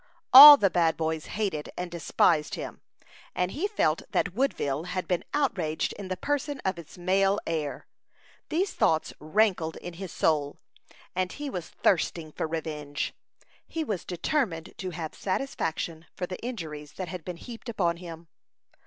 All the bad boys hated and despised him, and he felt that Woodville had been outraged in the person of its male heir. These thoughts rankled in his soul, and he was thirsting for revenge. He was determined to have satisfaction for the injuries that had been heaped upon him.